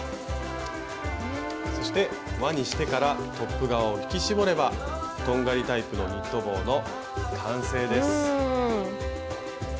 そして輪にしてからトップ側を引き絞れば「とんがりタイプのニット帽」の完成です。